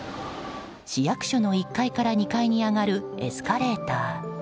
市役所の１階から２階に上がるエスカレーター。